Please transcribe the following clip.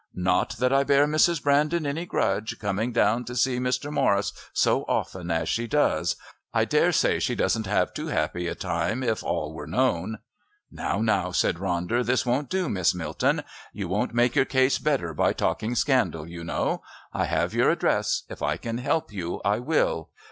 Not that I bear Mrs. Brandon any grudge, coming down to see Mr. Morris so often as she does. I daresay she doesn't have too happy a time if all were known." "Now, now," said Ronder. "This won't do, Miss Milton. You won't make your case better by talking scandal, you know. I have your address. If I can help you I will.